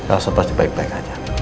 langsung pasti baik baik aja